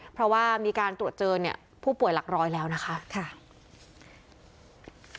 เพราะว่ามีการตรวจเจอผู้ป่วยหลักรอยแล้วนะครับ